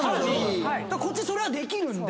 こっちそれはできるんで。